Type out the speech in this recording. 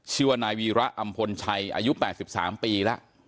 ชื่อว่านายวีระอำพลชัยอายุ๘๓ปีแล้ว